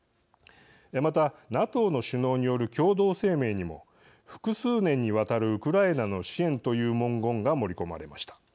また、ＮＡＴＯの首脳による共同声明にも、複数年にわたるウクライナの支援という文言が盛り込まれました。